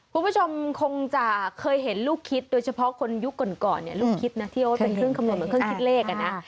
คุณผู้ชมคงจะเคยเห็นลูกคิดโดยเฉพาะคนยุคก่อนเนี่ยลูกคิดนะที่ว่าเป็นเครื่องคำนวณเหมือนเครื่องคิดเลขอ่ะนะ